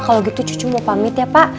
kalau gitu cucu mau pamit ya pak